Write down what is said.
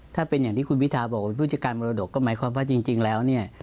ถ้าเป็นอย่างที่คุณพิทาบอกเป็นผู้จัดการมรดกก็หมายความว่าจริงแล้วเนี่ย